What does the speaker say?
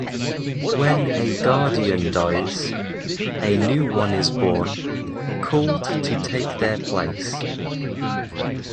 When a guardian dies, a new one is born, culled to take their place.